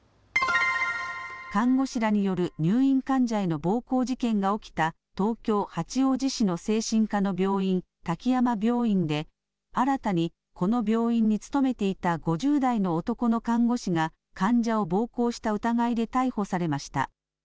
看護師らによる入院患者への暴行事件が起きた東京八王子市の精神科の病院、滝山病院で新たにこの病院に勤めていた５０代の男の看護師が患者を暴行した疑いで逮捕されました。